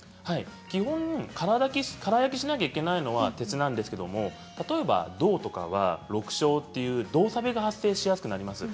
基本的に空焼きしなければいけないのは鉄なんですが例えば銅は緑青という銅さびが発生しやすくなります。